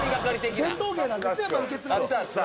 伝統芸なんですね受け継がれた。